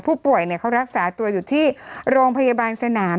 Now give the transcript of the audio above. ผู้ป่วยเขารักษาตัวอยู่ที่โรงพยาบาลสนาม